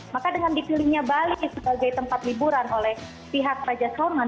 maka dengan dipilihnya bali sebagai tempat liburan oleh pihak raja salman